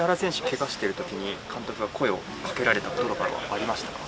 けがしたときに、監督は声をかけられたこととかはありましたか？